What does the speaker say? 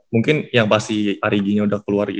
mungkin yang pas si ariginya udah keluar